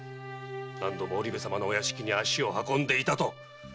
何度も織部様のお屋敷に足を運んでいたと。